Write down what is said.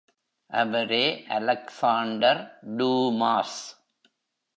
அவரே Alexander Dumas!